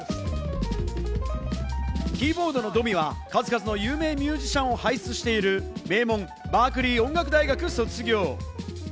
キーボードのドミは数々の有名ミュージシャンを輩出している名門・バークリー音楽大学を卒業。